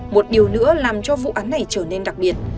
một điều nữa làm cho vụ án này trở nên đặc biệt